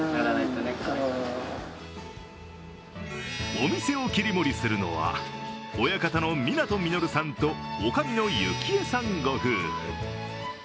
お店を切り盛りするのは親方の湊実さんと女将の由紀江さんご夫婦。